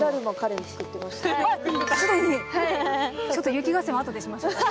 雪合戦はあとでしましょうか。